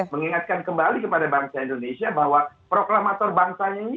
mengingatkan kembali kepada bangsa indonesia bahwa proklamator bangsanya ini